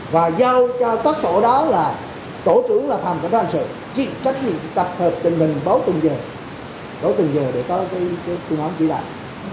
và giao cho các thủ đó là tổ trưởng là phạm cảnh đoàn sơn chỉ trách nhiệm tập hợp trình bình báo tuần giờ báo tuần giờ để có cái khuôn án chỉ đạt